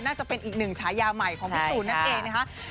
น่าจะเป็นอีกหนึ่งฉายาใหม่ของพี่ตูนนั่นเองนะคะ